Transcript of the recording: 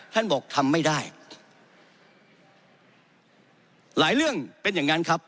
ท่านบอกทำไม่ได้หลายเรื่องเป็นอย่างนั้นครับ